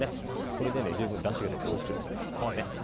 これでも十分だしが出ておいしくなります。